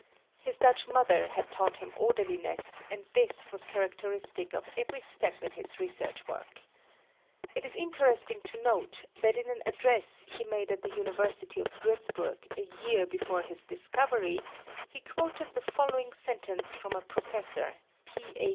His Dutch mother had taught him orderliness and this was characteristic of every step in his research work. It is interesting to note that in an address he 14 ROENTGENS RAY made at the University of Wiirzburg a year before his discovery he quoted the following sentence from a professor, P. A.